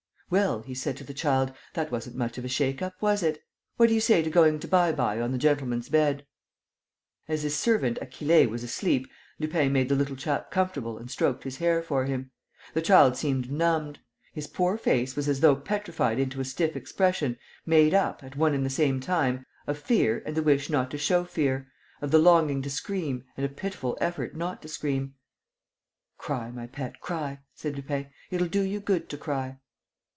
"Well," he said to the child, "that wasn't much of a shake up, was it?... What do you say to going to bye bye on the gentleman's bed?" As his servant, Achille, was asleep, Lupin made the little chap comfortable and stroked his hair for him. The child seemed numbed. His poor face was as though petrified into a stiff expression made up, at one and the same time, of fear and the wish not to show fear, of the longing to scream and a pitiful effort not to scream. "Cry, my pet, cry," said Lupin. "It'll do you good to cry."